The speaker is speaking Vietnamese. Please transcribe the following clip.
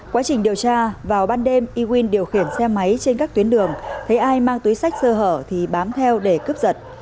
quá trình điều tra vào ban đêm y nguyên điều khiển xe máy trên các tuyến đường thấy ai mang túi sách sơ hở thì bám theo để cướp giật